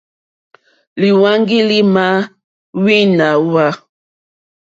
Lîhwáŋgí lì mà wíná hwá.